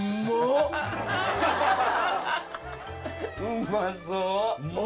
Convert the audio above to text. うまそう。